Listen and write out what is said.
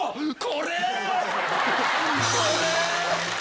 これ！